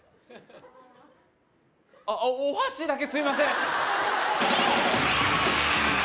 あっお箸だけすいません！